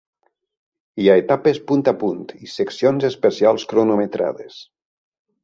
Hi ha etapes punt a punt i seccions especials cronometrades.